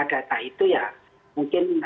data itu ya mungkin